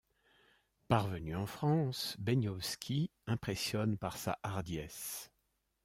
Parvenu en France, Beniowski impressionne par sa hardiesse.